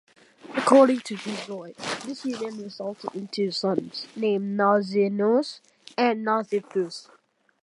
According to Hesiod, this union resulted in two sons, named Nausinous and Nausithous.